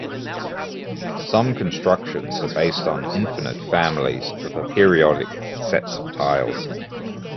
Some constructions are based on infinite families of aperiodic sets of tiles.